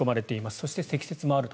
そして積雪もあると。